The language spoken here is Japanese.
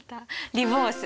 リボース！